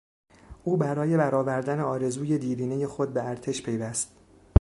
او برای برآوردن آرزوی دیرینهٔ خود به ارتش پیوست.